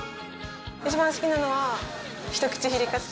一番好きなのは一口ヒレカツ。